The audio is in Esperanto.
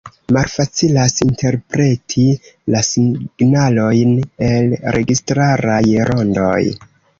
Malfacilas interpreti la “signalojn el registaraj rondoj.